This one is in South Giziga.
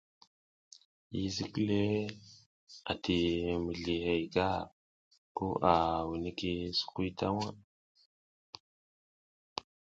Yi zik le a ti mizlihey gar ko i wini sukuy ta waʼ.